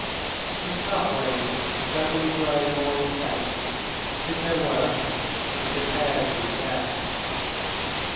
His sufferings, steadily growing more intense, did their work and prepared him for death.